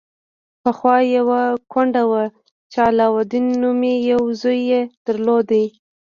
پخوا یوه کونډه وه چې علاوالدین نومې یو زوی یې درلود.